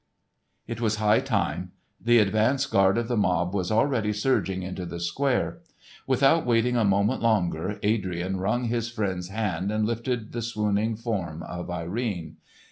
It was high time. The advance guard of the mob was already surging into the square. Without waiting a moment longer Adrian wrung his friend's hand and lifted the swooning form of Irene.